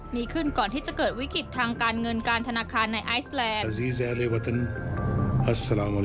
มีขึ้นก่อนที่จะเกิดวิกฤตทางการเงินการธนาคารในไอซแลนด์